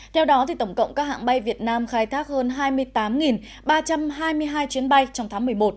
theo đó tổng cộng các hãng bay việt nam khai thác hơn hai mươi tám ba trăm hai mươi hai chuyến bay trong tháng một mươi một